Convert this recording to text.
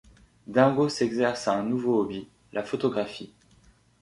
Dingo s'exerce à un nouveau hobby, la photographie.